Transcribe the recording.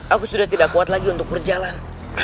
aku sudah tidak kuat lagi untuk berjalan